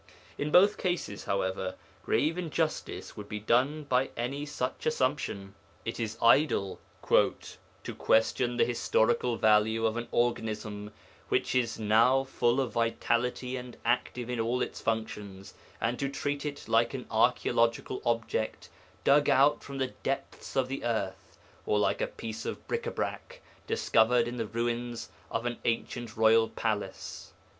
In both cases, however, grave injustice would be done by any such assumption. It is idle 'to question the historical value of an organism which is now full of vitality and active in all its functions, and to treat it like an archaeological object, dug out from the depths of the earth, or like a piece of bric à brac, discovered in the ruins of an ancient royal palace.